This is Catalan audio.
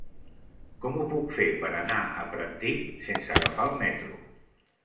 Com ho puc fer per anar a Pratdip sense agafar el metro?